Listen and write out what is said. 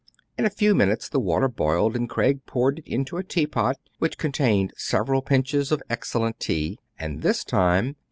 In a few minutes the water boiled, and Craig poured it ihto a teapot, which contained several pinches of excellent tea ; and this time 1 M.